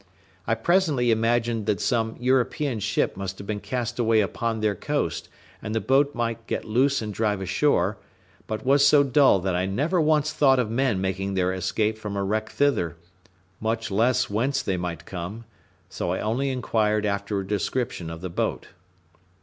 I presently imagined that some European ship must have been cast away upon their coast, and the boat might get loose and drive ashore; but was so dull that I never once thought of men making their escape from a wreck thither, much less whence they might come: so I only inquired after a description of the boat.